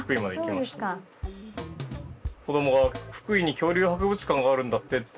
子どもが「福井に恐竜博物館があるんだって」。